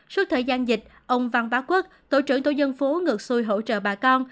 suốt thời gian dịch ông văn bá quốc tổ trưởng tổ dân phố ngược xuôi hỗ trợ bà con